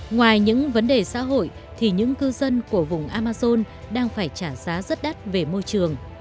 ngoài những vấn đề xã hội thì những cư dân của vùng amazon đang phải trả giá rất đắt về môi trường